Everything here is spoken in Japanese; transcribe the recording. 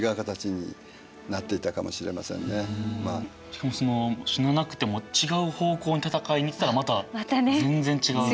しかもその死ななくても違う方向に戦いに行ったらまた全然違う。